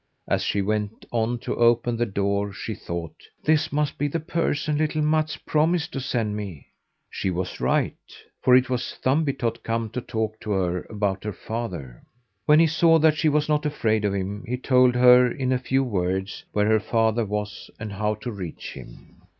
As she went on to open the door, she thought: "This must be the person little Mats promised to send me." She was right, for it was Thumbietot come to talk to her about her father. When he saw that she was not afraid of him, he told her in a few words where her father was and how to reach him.